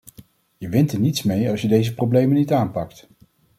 Je wint er niets mee als je deze problemen niet aanpakt.